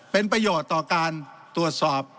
เป็นประโยชน์ต่อการตรวจสอบ